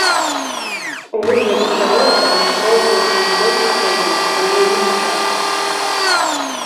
У выглядзе шароў адлюстроўваюцца не толькі краіны, але і іх часткі.